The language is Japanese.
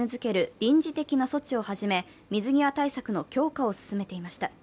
臨時的な措置をはじめ水際対策の強化を進めていました。